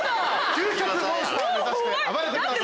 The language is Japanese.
究極モンスターを目指して暴れてください。